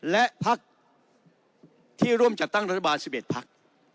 และพักที่ร่วมจัดตั้งรัฐบาล๑๑พัก